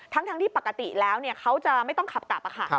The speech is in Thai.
ทั้งที่ปกติแล้วเขาจะไม่ต้องขับกลับค่ะ